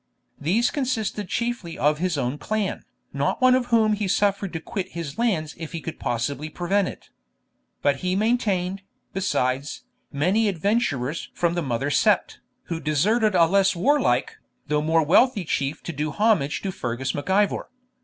These consisted chiefly of his own clan, not one of whom he suffered to quit his lands if he could possibly prevent it. But he maintained, besides, many adventurers from the mother sept, who deserted a less warlike, though more wealthy chief to do homage to Fergus Mac Ivor.